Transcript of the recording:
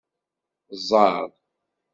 Ẓer.